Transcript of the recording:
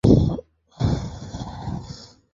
কেউই মারা যায়নি।